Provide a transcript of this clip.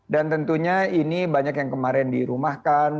dan tentunya ini banyak yang kemarin dirumahkan